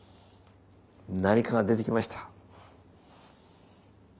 何かが出てきました。